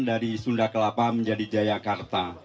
dari sunda kelapa menjadi jayakarta